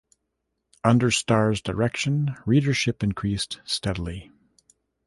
Under Starr's direction readership increased steadily.